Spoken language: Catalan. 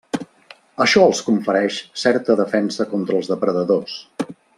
Això els confereix certa defensa contra els depredadors.